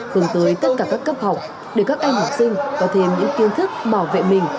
hướng tới tất cả các cấp học để các em học sinh có thêm những kiến thức bảo vệ mình